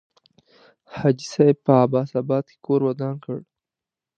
حاجي صاحب په عباس آباد کې کور ودان کړ.